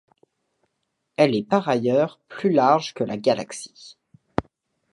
Elle est par ailleurs plus large que la Galaxy.